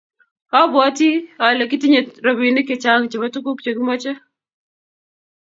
obwoti ale kitinye robinik chechang chebo tuguk che kimoche